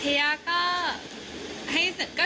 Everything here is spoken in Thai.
เทย่าก็